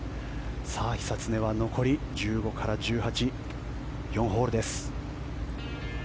久常は残り１５から１８４ホールです。